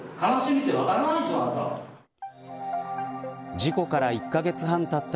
事故から１カ月半たった